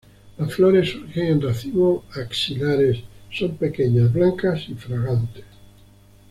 Las flores surgen en racimos axilares, son pequeñas, blancas y fragantes.